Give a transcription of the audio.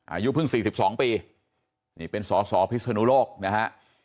อายุเพิ่ง๔๒ปีนี่เป็นสอสอพิศนุโลกนะฮะ